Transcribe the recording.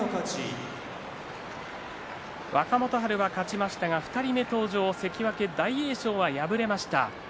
若元春は勝ちましたが２人目登場、関脇大栄翔は破れました。